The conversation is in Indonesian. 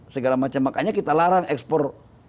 segala macam makanya kita larang ekspor